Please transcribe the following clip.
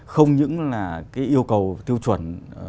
không những là cái yêu cầu tiêu chuẩn